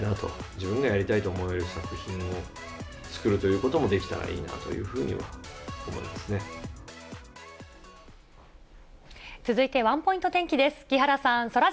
自分がやりたいと思える作品を作るということもできたらいいなと続いてワンポイント天気です。